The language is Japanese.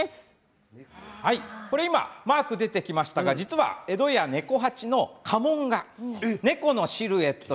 マークが出てきましたが実は家で猫八の家紋が猫のシルエット。